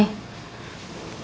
iya kepikiran sama gemoy